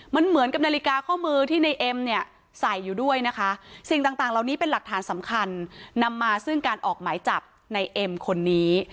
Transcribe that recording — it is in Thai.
มันเหมือนกับนาฬิกาข้อมือที่ในเอ็มเนี่ยใส่อยู่ด้วยนะคะสิ่งต่างเหล่านี้เป็นหลักฐานสำคัญนำมาซึ่งการออกหมายจับในเอ็มคนนี้